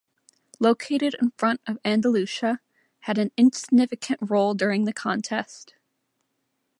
Located in the front of Andalusia, had an insignificant role during the contest.